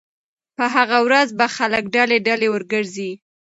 په هغه ورځ به خلک ډلې ډلې ورګرځي